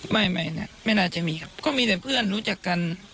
ไม่ไม่น่าจะมีครับก็มีแต่เพื่อนรู้จักกัน